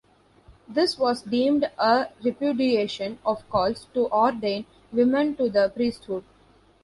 This was deemed a repudiation of calls to ordain women to the priesthood.